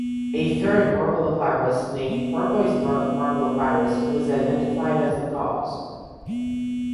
A third Morbillivirus, named porpoise morbillivirus was identified as the cause.